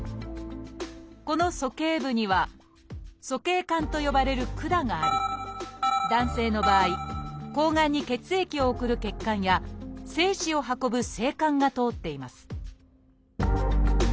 この鼠径部には「鼠径管」と呼ばれる管があり男性の場合睾丸に血液を送る血管や精子を運ぶ精管が通っています